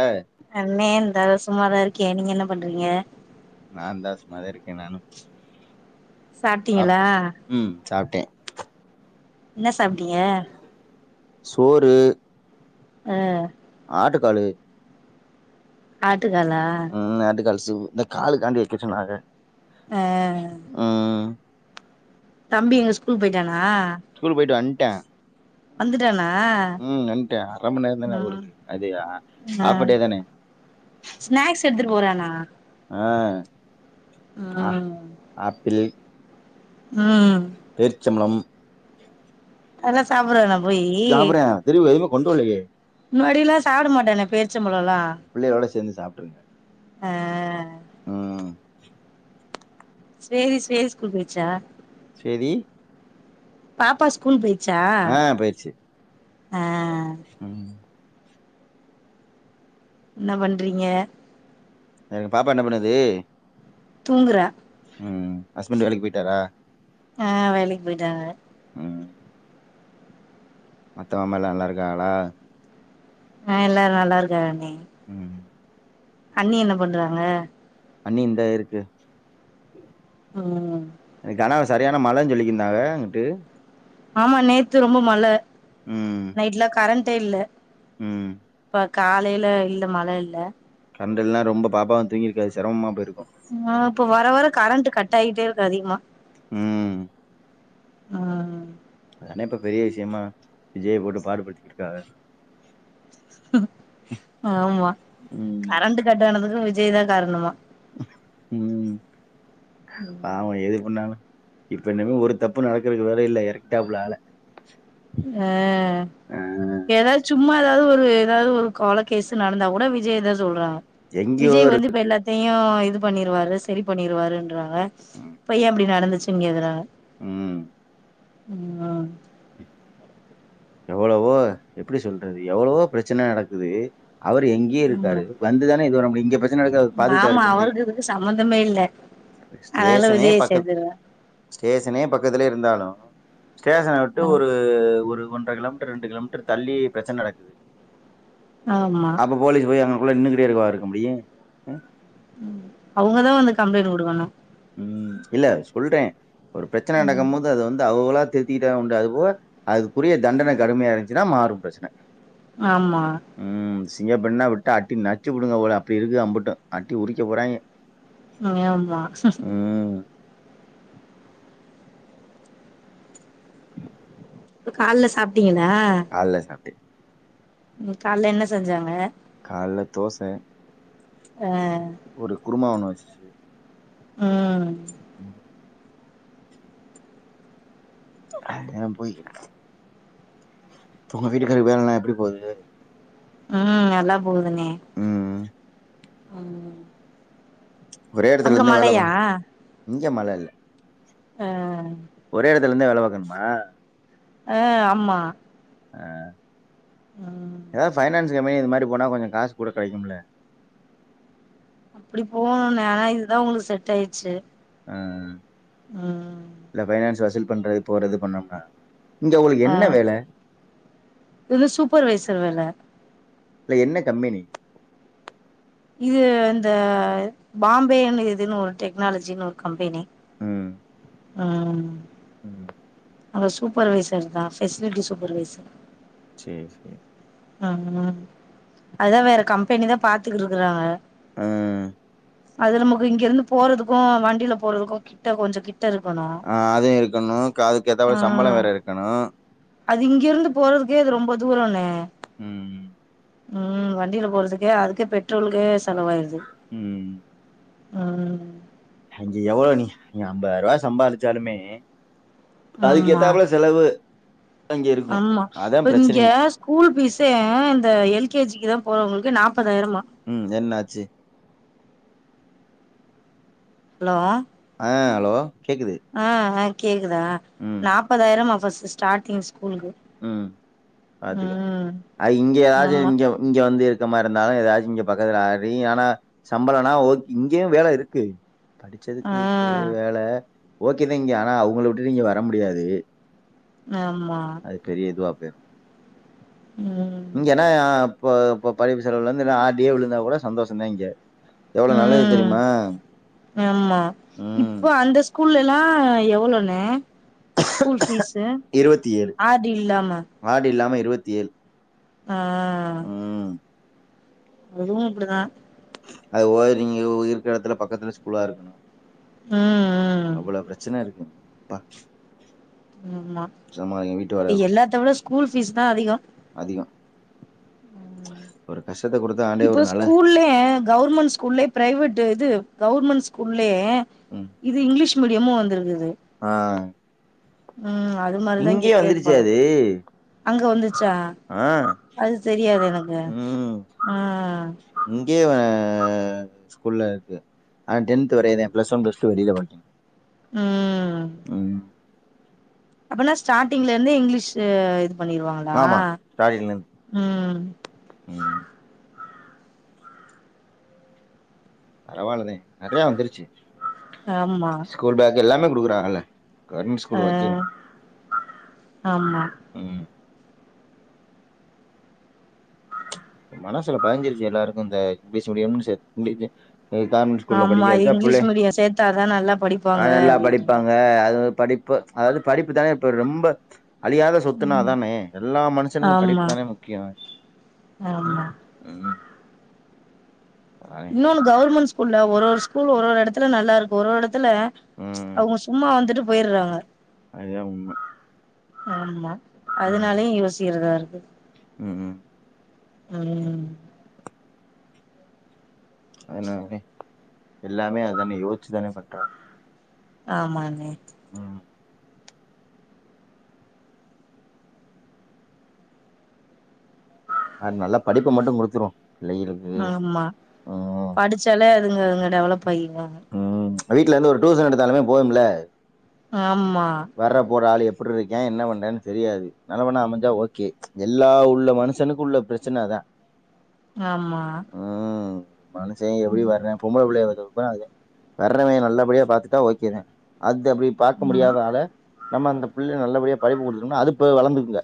ஆ அமே இந்தாலு சும்மாதா இருக் கே நீங்க என்ன பண்றீங்க நானு தா சும்மாதா இருக்கே நானு சாப்ட்டீங்களா டே என்னச் சாப்டிங்க சோறு ஆ ஆட்டுக்காளு ஆட் டுக்காலா சு இந்த காலுக்கான்டி வைக்க சொன்னாரு ஆ தம்பி எங்க ஸ்கூல் போயிட்டானா ஆ ட்ட வந்துட்டாஙங உம் வன்டே அர மண் நேரந்தான ம் ஊருக்கு அது ஆ ஆஃபடே தானே ஸ்நாக்ஸ் எடுத்துட்டு போறானா ஆஹ் ஆஹ் ம் ஆப்பிள் ம் பேர்ச்சம்பளம் அதெல்லா சாப்டுவானா போயி கொண்டுவல்லயே முன்னாடிலா சாப்ட மாட்டானே பே பிள்ளைகளோட சேந்து சாப்ட்ருங்க அஹ் ஹம் சேரி சேரி ஸ்கூல் போய்ர்ச்சா சேரி பாப்பா ஸ்கூல் போய் ஆஹ் போயிருச்சு ஆ ஹ்ம் என்ன பண்றீங்க எனக்கு பாப்பா என்ன பண்ணுது தூங்குறா ம் ஹஸ்பெண்ட்டு வேலைக்கு போயிட்டாரா ஆ வேலைக் போயிட்டாங்க மத்தவமேலா நல்லா இருக்காங்களா ஆ எல்லாரு நல்லா இருக்காகண்ணி ம் அண்ணி என்ன பண்றாங்க அண்ணி இந்தா இருக்கு ம் யார்னா அங்க சரியான மழன் சொல்லிட்ருந்தாங்க அங்கிட்டு ஆமா நேத்து ரொம்ப மழ ம் நைட்ல கரண் டேல்ல ம் ப்ப காலைல இல்ல மழ இல்ல சண்டெல்ல ரொம்ப பாப்பாவு தூங்கிருக்காது செரமமா போயிருக்கு கட்டாய்ட்டே இருக்கு அதிகமா ம் ஆ அதே இப்ப பெரிய விஷயமா இதே போட்டு பாடுபடுத்திட்டு இருக்காங்க ஆமா ம் கரண்ட் கட்டானதுக்கு விஜ விஜய் தா காரணமா ம் பாவம் எது பண்ணாலு இப்ப இன்னுமே ஒரு தப்பு நடக்கறக்கு வேல இல்ல எறக்டாப்ல ஆள எ ஆ ஏதாது சும்மா எதாது ஒரு எதாது ஒரு கொல கேசு நடந்தா கூட விஜய தா சொல்றாங்க எங்கேயோ விஜய் ஒரு வந்து இப்ப எல்ல த்தையு இது பண்ணிருவாரு செரி பண்ணிருவாருன்றாங்க ம் அப்ப ஏ இப்டி நடந்துச்சுன் கேக்கறாங்க ம் ஆமா எவ்ளவோ எப்டி சொல்றது எவ்ளோவோ பிரச்சன நடக்குது அவரு எங்யோ ஆமா இருக்காரு வந்துதான இது பண்ண முடியி ஆமா அவுளுக்கு இதுக்கு சம்மந்தமே இல்ல அதனால ஸ்டேஷனே விஜய பக்கத் சேத்துருவ ஸ்டேஷனே பக்கத்துலே இருந்தாலு [inaudible] ஸ்டேஷன விட்டு ஆ ஒரு ஒரு ஒன்ற கிலோமீட்ரு ரெண்டு கிலோமீட்ரு தள்ளி பிரச்சன நடக் ஆமா அப்ப போலீஸ் போயி அங் உள்ள நின்னுகிட்டேவா இருக்கவா இருக்க முடியு அ அவங்கதா வந்து கம்ப்ளைண்ட் குடுக்கணு ம் இல்ல சொல்றே ஒரு ப்ரெச்சன ம் நடக்கம்மோது அது வந்து அவுங்களா திருத்தீட்டா உண்டு அதுபோக அதுக்குரிய தண்டன கடுமயா இருன்ச்சுனா மாறும் ப்ரெச்சன ஆமா சிங்க பெண்ணா விட்டு ஆட்டி நச்சு குடுங்க அவுகள அப்பி இருக்கு அம்புட்டு அட்டி உறிக்க போறாய்ங்க ஆமா ம் கால்ல சாப்ட்டீங்கள கால்ல சாப்டே உம் கால்ல என்ன செஞ்சாங்க கால்ல தோச அ ஒரு குர்மா ஒண்ணு வச் ச்சு ம் ம் அ போய் உங்க வீட்டுக்காரு வேலலா எப்டி போகுது ம் நல்லாப் போகுதுண்ணே ம் ஆஹ் அங்க மழையா இங்கே மழ இல்ல அ த்துல இந்தே வேலபாக்கணுமா அ ஆமா ஆஹ் ம் எதா ஃபைனான்ஸ் இ எம் ஐ இது மாரி போனா கொஞ்சொ காசு கூட கெடைக்கும்ல அப்டி போகணு ஆனா இதுதா உங்களுக்கு செட் ஆயிட்ச்சு ஆஹ் இல்ல ஃபைனான்ஸ் வசூல் பண்றது போறது பண்ணம்னா இங்க உங்களுக்கு ஆ என்ன வேல இது சூப்பர்வைசர் வேல இல்ல என்ன கம்பெனி இது இந்த பாம்பேன்னு இதுன்னு ஒரு டெக்னாலஜினு ஒரு கம்பெனி ம் ம் ம் ஆனா சூப்பர்வைசர் தா ஃபெசிலிட்டி சூப்பர்வைசர் சேரி சேரி ம் அதுதா வேற கம்பெனிதா பாத்துக்கிட்ருக்குறாங்க ம் அது நமக்கு இங்க இருந்து போறதுக்கு வண்டில போறதுக்கு கிட்ட கொஞ்சொ கிட் ஆஹ் அது இருக்கணு காது ஆஹ் அது இங்கிருந்து போறதுக்கே அது ரொம்ப தூரோன்னே ம் ம் வண்டில போறதுக்கே அதுக்கே பெட்ரோலுக்கு செலவாயிருது ம் அஞ்சு எவ்வளோ நீ நீ அம்பதாயரவா சம்பாரிச்சாலுமே அதுக்கு ஆமா ஏத்தாப்புல செலவு அங்க இருக்கு ஆமா அதா இப்ப இங்க பிரச்சனையே ஸ்கூல் பீஸே இந்த ம் எல் கே ஜி க்கு தா போறவங்கள்க் கு நாப் ம் என்னாச்சு ஹலோ ஆ அலோ ஆ ஆ இருதா ம் நாற்பதாயிரம் அ ஃபர்ஸ்ட் ஸ்டார்டிங்ஸ் ம் பாத்துக்க ம் அது இங்க ஏதாச்சு ஆமா இங்க இங்க வந்து இருக்க மாரி இருந்தாலு ஏதாச்சும் இங்க பக்கத்துல நீ ஆனா சம்பளம்னா ர்க் இங்கேயு வேல இருக்கு படிச்சதுக்கு ஆ இருக்கு வேல ஓகேதா இங்க ஆனா உங்கள விட்டுட்டு இங்க வர முடியாது ஆமா வேனு ம் இங்கன்னா இப்ப இப்ப படிப்பு செலவுல இருந்து எல்ல ஆர்டியே விழுந்தா கூட சந்தோஷம்தா இங்க எவ்ளோ நல்லது ம் தெரியுமா? ஆமா ம். இப்போ அந்த ஸ்கூல்லல்லா எவ்வளோண்ணே இருவத்தி ஏழு ஆர் டி இல்லாம ஆர்டீ இல்லாம இரு இருவத்தி ஏழு ஆ அதுவு இப்டிதா அது ஓய நீங்கயிருக்க யடத்துல பக்கத்துல ஸ்கூலாருக்கணு ம் அவ்ளவு பிரச்சனைருக்கு பா ஆமா யெல்லாத்த விட ஸ்கூல் ஃபீஸ் தா அதிகொ அதிகொ ஒரு கஷ்டத்த குடுத்த ஆண்டவே இப்போ ஒரு நல்ல ஸ்கூல்ல கவர்மெண்ட் ஸ்கூல்லயே பிரைவேட் யிது கவர்மென்ட் ஸ்கூல் யே ம். யிது இங்கிலீஷ் மீடியமு வந்துருக்குது ஆ ம் அது மாரிதா இங்க இங்கயே வந்துருச்சு கேட்ப்பாங்க அது அங்க வந்து சா ஆ அது தெரியாது எனக்கு ம் ஆ இங்கயே ஆ ஸ்கூல்ல ருக்கு ஆனா டென்த் வரயதா பிளஸ் ஒன் பிளஸ் டூ வெளில வந்து ம் ம் அப்பனா ஸ்டாட்டிங்லருந்து யிங்கிலீஷு பண்ணிருவாங்களா ஆமா ஸ்டார்டிங்ல இருந்து ம் [inaudible] ம் பரவால்லனே நறயா வந்துருச்சு ஆமா ஸ்கூல் பேக் எல்லாமே குடுக்குறாங்கல்ல கவர்மெண்ட் ஸ்கூல் ஓகே ஆஹ் ஆமா ம் மனசுல பதிஞ்சிருச்சு எல்லாருக்கு இந்த இங்கிலீஷ் மீடியம்னு [unintelligible] இ கவுர்மெண்ட் ஸ்கூல்ல ஆமா படிக்க வெச்சா இங்கிலீஷ் புள்ளே மீடியம் சேத்தாதா நல்லா அ படிப்பாங்க நல்லா அப்டின்ற மாரி படிப்பாங்க அது படிப் ப்ப அதாவது படிப்பு தானே இப்ப ரொம்ப அழியாத சொத்துனா ம் அதானே எல்லா மனுஷனுக்கு ஆமா படிப்புதானே முக்கியோ ம் ஆமா ம் அதானே இன்னோனு கவுர்மண்ஸ் ஸ்கூல்ல ஒரோரு ஸ்கூல் ஒரோரு எடத்துல நல்லாருக்கு ஒரோரு டத்துல ம் அவுங்க சும்மா வந்துட்டு போயர்றாங்க அதுதா உண்ம ஆமா ம் அதுனாலயு யோசிக்கிறதாருக்கு ம் ம் ஹ்ம் அதுனாலதே எல்லாமே அதானே யோசிச்சுதானே பண்றாங்க ஆமானே ம் அ நல்லா படிப்பு மட்டு குடுத்துரு ஆமா படிச்சாலே ங்க டெவலப் பையிருவாங்க வீட்லிருந்து ஒரு டியூசன் எடுத்தாலுமே போதும்ல ஆம் வர்ற போற ஆளு எப் ப்புட்ருக்கே என்ன பண்னன்னு தெரியாது நல்லவனா அமஞ்சா ஓகே எல்லா உள்ள மனுஷனுக்கு உள்ள ப்ரெச்சன அதா ஆமா மனுஷன் எப்டி ம் வர்றே பொம்பள புள்ளைய வ [unintelligible] வர்றவெ நல்லபடியா பாத்துட்டா ஓக்கேதே அத் து அப்டி பாக்க ஆமா முடியாதால நம்ம அந்த பிள்ளய நல்லபடியாக படிப்பு கொடுத்தும்னா அதுப்போ வளர்ந்துக்குங்க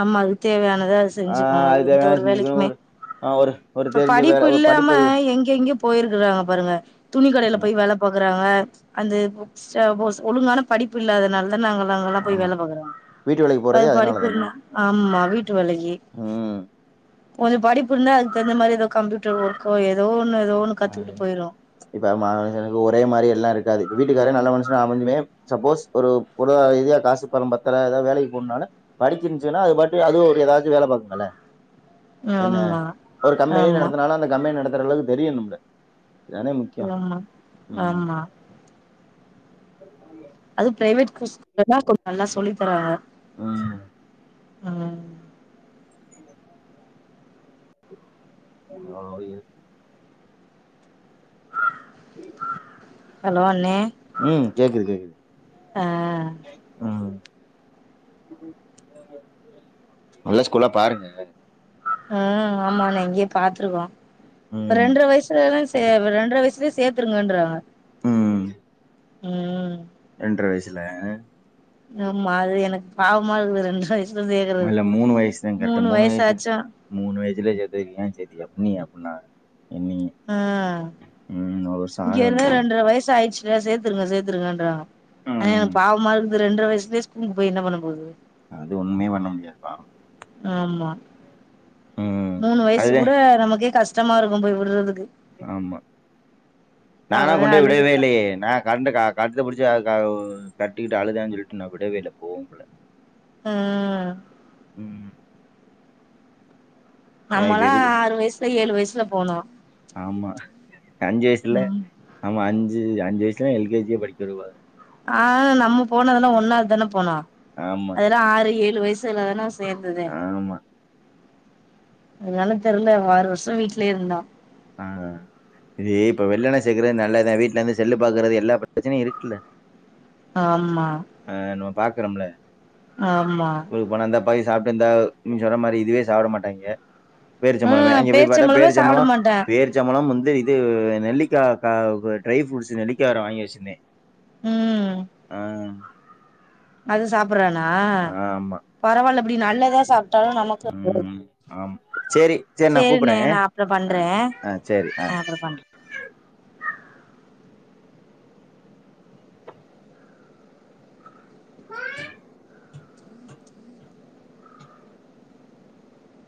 ஆமா அதுக்கு தேவையானத அது ஆ செஞ்சுக்கு அது எந்த தேவையான ஒரு செஞ்சுக்கணு வேலைக்குமே ஒரு ஆ ஒரு ஒரு இப்ப தெரிஞ்ச படிப்பு வேல ஒரு இல்லாம படிப்பறிவு எங்கங்கயோ போயிருக்கறாங்க பாருங்க துணி கடைல ம் போய் வேல பாக்குறாங்க அந்த சப்போஸ் ஒழுங்கான படிப்பு இல்லாதனால நாங்கள் அங்கெல்லா போய் ஆமா வேல பாக்றாங் வீட்டு வேலைக்கு அது போறதே அதனால தானே படிப்பு ஆமா வீட்டு விலகி ம் கொஞ்சோ படிப்பு இருந்தா அதுக்குகுந்த மாதிரி ஏதோ கம்ப்யூட்டர் ஒர்க்கோ ஏதோ ஒண்ணு ஏதோ ஒண்ணு அ கத்துக்கிட்டு போயிரும் இப்ப மாங்கேக்கு ஒரே மாரி எல்லாம் இருக்காது வீட்டுக்காரே நல்ல மனுஷன்னா அமைஞ்சுமே சப்போஸ் ஒரு பொருளாதரீதியா காசு பணம் பத்தல ஏதாவது வேலைக்கு போனும்னால படிக்கிருந்துச்சுன்னா அது பாட்டு அது ஒரு ஏதாச்சும் வேல பாக்குங்கல்ல என்ன ஆமா ஒரு கம்மேனி ஆமா நடத்தனாலும் அந்த கம்மேனி நடத்த த்தரளவுக்கு தெரியணு ஆமா ம் ஆமா அது பிரைவேட் [inaudible] கொஞ்சோ நல்லா சொல்லி தருவாங்க ம் ம் [inaudible] ஹலோ அண்ணே ம் கேக்குது கேக்குது ஆ ம் நல்ல ஸ்கூல்லா பாருங்க ம் ஆமா நா இங்கயே பாத்துருக்கோ ம் ரெண்டரை வயசுலா சே ரெண்டரை வயசுலே சேத்துருங்கன்றாங்க ம் ம் ன்ற வயசுல ஆமா அது எனக் பாவமாது ரெண்டு வயசு இல்ல மூணு வயசு தா கரட்டு மூணு வயசு வயசாச்சு மூணு வய ஜில சேத்ததுக்கு ஏன் சேத்திங்க [unintelligible] ஆ ஒரு வருஷம் இங்க ஆக இருந்தே வேண்டியதானே! ரெண்ட்ர வயசு ஆயிட்ச்சு சேத்துருங்க சேத்தருங்கன்றாங்க ஆனா ம். எனக்கு பாவமா இருக்து ரெண்ட்ர வயசுலயேஸ்கூல்க்கு போய் என்ன பண்ண போது அது ஒண்ணுமே பண்ண முடியாதுப்பா ஆமா ம். மூணு வயசு கூட அதுதான். நமக்கே கஷ் ஷ்டமா இருக்கூ போய் விட்றதுக்கு ஆமா நானா அவனே கொண்டோய் வுடவே அழுதுருப்பா இல்லையே நா கர்ண்டு கா கட்டத்த புடிச்சி அ கவ் கட்டீட்டு அளுதாசொல்ட்டு நா விடவேல்ல போவும்ல்ல ம் இது நம்மல்லா எது ஆறு வயசுல ஏளு வயசு ல போனோ ஆமா அஞ்சு வயசுல ம் ஆமா அஞ்சு அஞ்சு வயச் எல்கேஜியே படிக்க விடுவாக ஆ நம்ம போனதெல்லா ஒண்ணாவத் தான போனோ ஆமா, அதெல்லா ஆறு ஏளு வயசு [unintelligible] சேந்ததே ஆமா. அத்னால தெர்ல ஆறு வர்ஷோ வீட்லயே இருந்தா ஆ இது இப்ப வெள்ளண சேக்குறது நல்லதா வீட்ல ருந்து செல்லு பாக்குறது எல்லா பெரச்சனயு இருக்குல்ல ஆமா க்றம்ல ஆமா ப்பாய் சாப்ட்ட இந்த நீ சொன்ன மாரி இதுவே சாப்ட மாட்டாய்ங்க பேரிச்சம்பளமே ம் அங்க போய் பாத்தா பேரிச்சம்பழமே சாப்ட மாட்டே பேரிச்சம்பளம் ம் வந்து இது நெல்லிக்கா கா ட்ரை ப்ரூட்ஸ் நெல்லிக்கா வேர வாங்கி வெச்சுருந்தே ம் ஆ அது சாப் சாப்புறானா ஆமா பரவாலப் அப்படி நல்லதா சாப்பட்டாலு நமக்கு ம் ஆமா சேரி சேரி நா சேரிண்ணே கூப்புட்றே நா அப்றோ ஆ பண்றே ஆ சேரி ஆ நா அப்றோ பண்றே [inaudible]